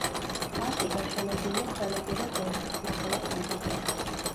პარკი გაშენებულია სანაპირო ზოლში, ნახევარკუნძულზე.